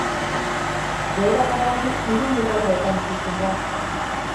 Beherakada hori hiru lurraldeetan ikusten da.